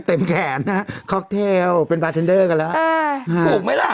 เต็มแขนคล็อกเทลเป็นบาร์เทนเดอร์กันแล้ว